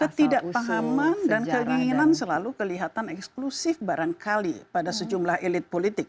ketidakpahaman dan keinginan selalu kelihatan eksklusif barangkali pada sejumlah elit politik